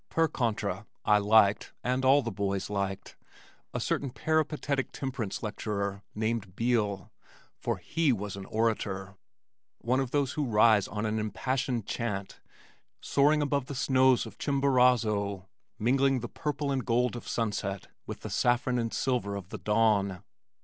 Per contra, I liked, (and the boys all liked) a certain peripatetic temperance lecturer named Beale, for he was an orator, one of those who rise on an impassioned chant, soaring above the snows of Chimborazo, mingling the purple and gold of sunset with the saffron and silver of the dawn.